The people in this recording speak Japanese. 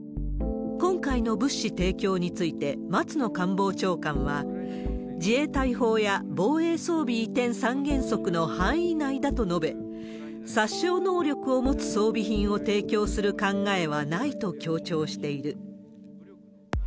今回の物資提供について、松野官房長官は、自衛隊法や防衛装備移転三原則の範囲内だと述べ、殺傷能力を持つ装備品を提供する考えはないと強調している。